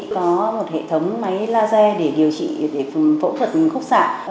có một hệ thống máy laser để điều trị để phẫu thuật khúc xạ